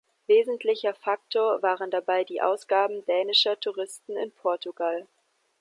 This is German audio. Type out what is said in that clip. Wesentlicher Faktor waren dabei die Ausgaben dänischer Touristen in Portugal.